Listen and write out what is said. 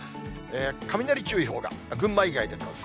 雷注意報が群馬以外に出てます。